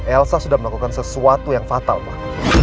elsa sudah melakukan sesuatu yang fatal pak